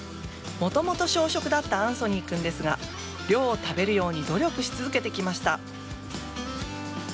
もともと小食だったアンソニー君ですが量を食べるように努力を続けてきました。